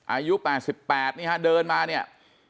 อายุ๘๘เดินมาเนี่ย